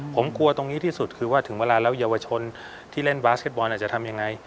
ผมกลัวตรงนี้ที่สุดคือว่าถึงเวลาแล้วเยาวชนที่เล่นบาสเก็ตบอลจะทำยังไง